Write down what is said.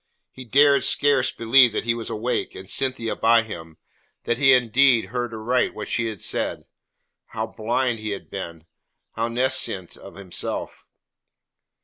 He dared scarce believe that he was awake, and Cynthia by him that he had indeed heard aright what she had said. How blind he had been, how nescient of himself!